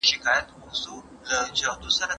د ایډیالوژۍ ناقصو لوستو دا لاره بنده کړه.